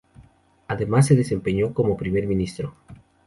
Además Se desempeñó como Primer Ministro.